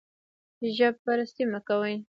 ژب پرستي مه کوئ